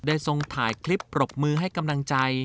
ทรงถ่ายคลิปปรบมือให้กำลังใจ